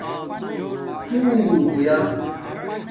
ڎݸ ہݸ یا